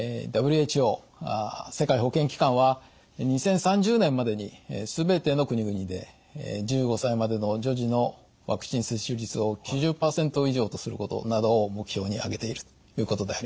ＷＨＯ世界保健機関は２０３０年までに全ての国々で１５歳までの女児のワクチン接種率を９０％以上とすることなどを目標にあげているということであります。